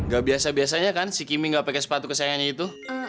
gak biasa biasanya kan si kimi gak pakai sepatu kesayangannya itu